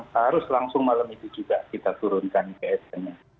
harus langsung malam itu juga kita turunkan ke sma